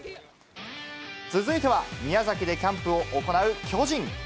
続いては、宮崎でキャンプを行う巨人。